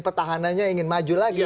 pertahanannya ingin maju lagi